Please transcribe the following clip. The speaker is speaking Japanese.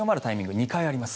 ２回あります。